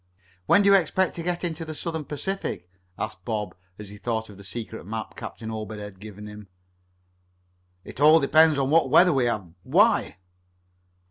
"When do you expect to get into the Southern Pacific?" asked Bob, as he thought of the secret map Captain Obed had given him. "It all depends on what weather we have. Why?"